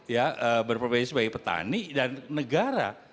ya berprofesi sebagai petani dan negara